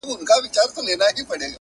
• تر بدو ښه وي چي کړی نه کار -